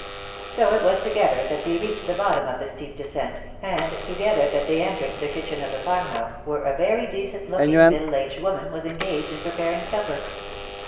So it was together that they reached the bottom of the steep descent, and together that they entered the kitchen of the farm house, where a very decent looking, middle aged woman was engaged in preparing sup per.